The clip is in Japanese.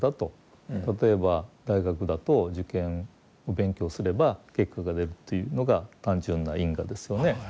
例えば大学だと受験勉強すれば結果が出るというのが単純な因果ですよね。